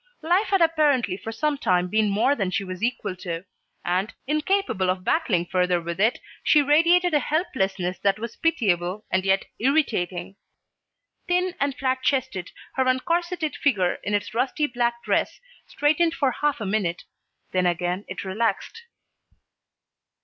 Life had apparently for some time been more than she was equal to, and, incapable of battling further with it, she radiated a helplessness that was pitiable and yet irritating. Thin and flat chested, her uncorseted figure in its rusty black dress straightened for half a minute, then again it relaxed.